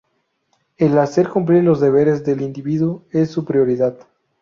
El hacer cumplir los deberes del individuo es su prioridad.